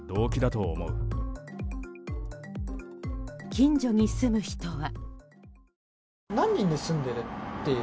近所に住む人は。